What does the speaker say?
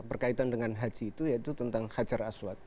berkaitan dengan haji itu yaitu tentang hajar aswad